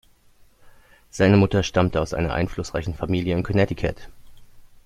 Seine Mutter stammte aus einer einflussreichen Familie in Connecticut.